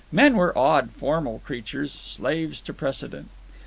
Men were odd, formal creatures, slaves to precedent.